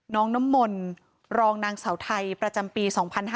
น้องน้ำมนต์รองนางเสาไทยประจำปี๒๕๕๙